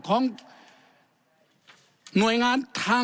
ของหน่วยงาน